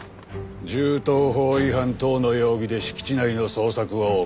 銃刀法違反等の容疑で敷地内の捜索を行う。